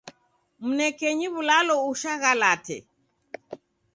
Mnekenyi w'ulalo ushaghalate.